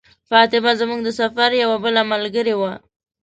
فاطمه زموږ د سفر یوه بله ملګرې وه.